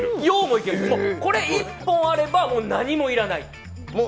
これ１本あれば何も要らない。